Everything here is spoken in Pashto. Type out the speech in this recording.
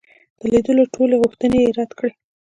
د لیدلو ټولي غوښتني یې رد کړې.